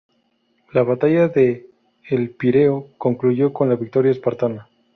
La batalla de El Pireo concluyó con victoria espartana.